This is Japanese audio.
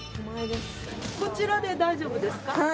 こちらで大丈夫ですか？